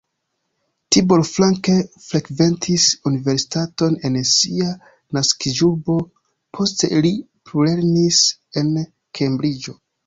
Tibor Frank frekventis universitaton en sia naskiĝurbo, poste li plulernis en Kembriĝo.